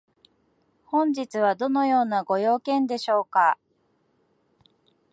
本日はどのようなご用件でしょうか？